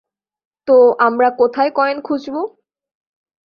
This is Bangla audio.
তো, আমরা কোথায় কয়েন খুঁজব?